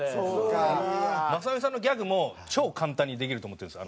雅紀さんのギャグも超簡単にできると思ってるんです。